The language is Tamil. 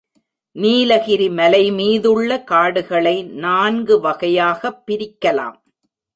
நீலகிரி மலைமீதுள்ள காடுகளை நான்கு வகையாகப் பிரிக்கலாம்.